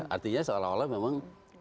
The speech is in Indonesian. artinya seolah olah memang